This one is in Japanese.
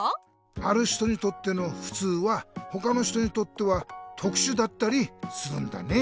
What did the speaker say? ある人にとっての「ふつう」はほかの人にとっては「とくしゅ」だったりするんだね。